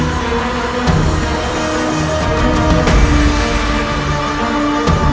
biarkan ayahanda menyelesaikan